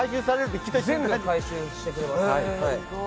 全部回収してくれます。